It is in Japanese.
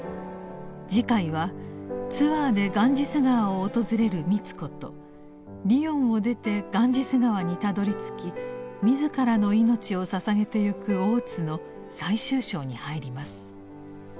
次回はツアーでガンジス河を訪れる美津子とリヨンを出てガンジス河にたどりつき自らの命をささげてゆく大津の最終章に入ります。